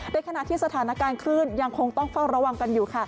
ในขณะที่สถานการณ์คลื่นยังคงต้องเฝ้าระวังกันอยู่